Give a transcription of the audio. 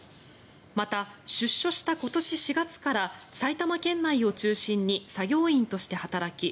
また、出所した今年４月から埼玉県内を中心に作業員として働き